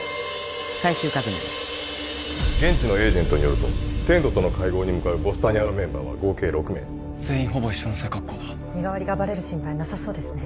最終確認を現地のエージェントによるとテントの会合に向かうヴォスタニアのメンバーは合計６名全員ほぼ一緒の背格好だ身代わりがバレる心配なさそうですね